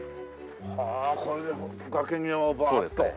はあこれで崖際をバーッと。